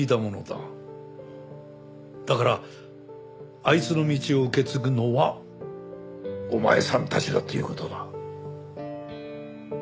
だからあいつの道を受け継ぐのはお前さんたちだという事だ。